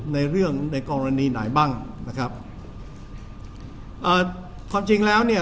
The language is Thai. ในเรื่องในกรณีไหนบ้างนะครับเอ่อความจริงแล้วเนี่ย